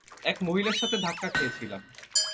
এক মহিলার সাথে ধাক্কা খেয়েছিলাম।